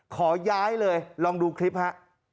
ขอย้ายเลยลองดูคลิปฮะ